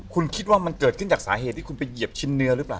คุณคิดว่ามันเกิดขึ้นจากสาเหตุที่คุณไปเหยียบชิ้นเนื้อหรือเปล่า